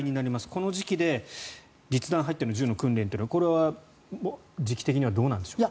この時期で実弾が入っての銃の訓練というのはこれは時期的にはどうなんでしょうか。